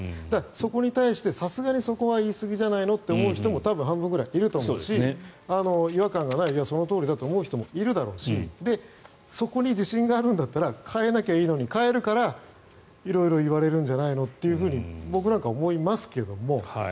そこに対して、さすがにそこは言いすぎじゃないのと思う人も半分くらいいると思うし違和感がない、そのとおりだと思う人もいるだろうしそこに自信があるんだったら変えなきゃいいのに変えるから色々言われるんじゃないのかと僕なんか思いますけども。